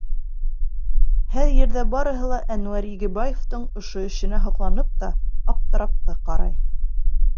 Һәр ерҙә барыһы ла Әнүәр Игебаевтың ошо эшенә һоҡланып та, аптырап та ҡарай.